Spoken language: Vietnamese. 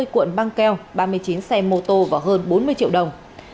hai mươi cuộn băng keo ba mươi chín xe mô tô và hơn bốn mươi triệu đồng